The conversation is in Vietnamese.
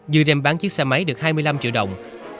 dư đem bán chiếc xe máy được hai mươi năm triệu đồng